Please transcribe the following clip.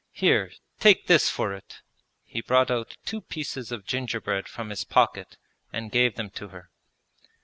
Here, take this for it!' He brought out two pieces of gingerbread from his pocket and gave them to her.